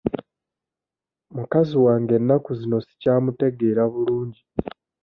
Mukazi wange ennaku zino sikyamutegeera bulungi.